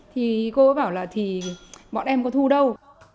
thì cô có bảo là thì bọn em có thu đâu